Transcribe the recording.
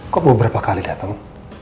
kok beberapa kali datang